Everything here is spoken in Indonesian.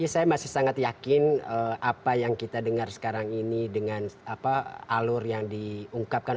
saya masih sangat yakin apa yang kita dengar sekarang ini dengan alur yang diungkapkan